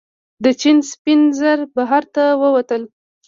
د چین سپین زر بهر ته ووتل.